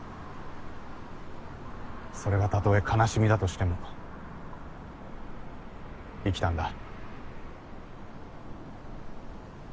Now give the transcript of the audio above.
それがたとえ悲しみだとしても生きたんだ。